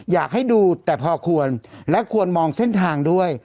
อยากให้ดูแต่พอควรและควรมองเส้นทางด้วย